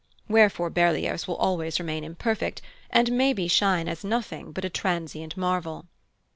Wherefore Berlioz will always remain imperfect, and, maybe, shine as nothing but a transient marvel."